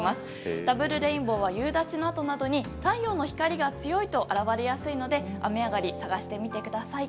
ダブルレインボーは夕立のあとなどに太陽の光が強いと現れやすいので雨上がり、探してみてください。